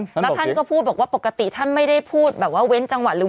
แล้วท่านก็พูดบอกว่าปกติท่านไม่ได้พูดแบบว่าเว้นจังหวัดหรือ